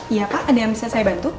iya pak ada yang bisa saya bantu